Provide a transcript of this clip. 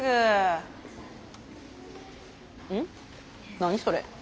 何それ？